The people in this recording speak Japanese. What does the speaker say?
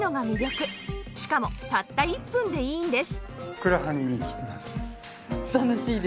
しかもたった１分でいいんです